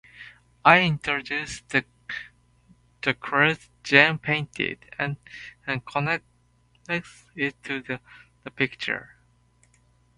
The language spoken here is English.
It introduces the clause "Jane painted" and connects it to the picture.